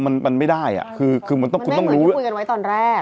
มันมันไม่ได้อ่ะคือคือมันต้องคุณต้องรู้คุยกันไว้ตอนแรก